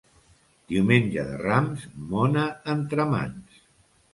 Diumenge de Rams, mona entre mans.